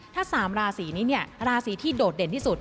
ถ้า๓ราศีนี้เนี่ยราศีที่โดดเด่นที่สุด